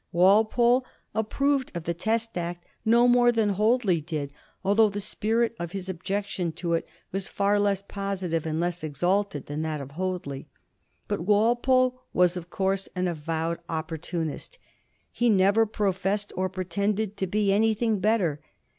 Walpole approved of the Test Act no more than Hoadley did, although the spirit of his objection to it was far less positive and less exalted than that of Hoadley. But Walpole was, of course, an avowed Opportunist ; he never professed or pretended to be any thing bettier.